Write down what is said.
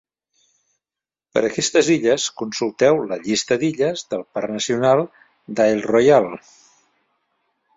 Per a aquestes illes, consulteu la llista d'illes del parc nacional d'Isle Royale.